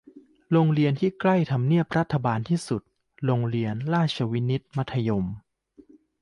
โรงเรียนที่ใกล้ทำเนียบรัฐบาลที่สุด - โรงเรียนราชวินิต มัธยม